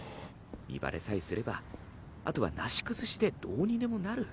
身バレさえすればあとはなし崩しでどうにでもなる。